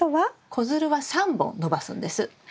子づるは３本伸ばすんです。